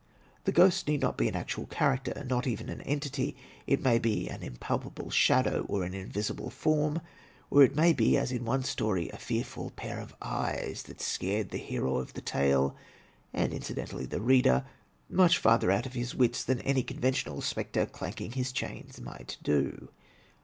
The ghost need not be an actual character, not even an entity; it may be an impalpable shadow, or an invisible form. Or it may be, as in one story, a fearful pair of eyes that scared the hero of the tale, — and incidentally the reader, — much farther out of his wits than any conventional spectre clanking his chains might do.